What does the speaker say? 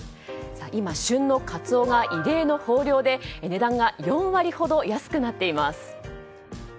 今、旬のカツオが異例の豊漁で値段が４割ほど安くなっています。